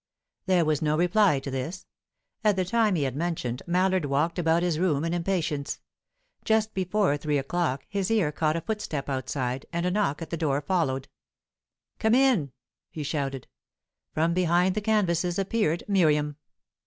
There was no reply to this. At the time he had mentioned; Mallard walked about his room in impatience. Just before three o'clock, his ear caught a footstep outside, and a knock at the door followed. "Come in!" he shouted. From behind the canvases appeared Miriam.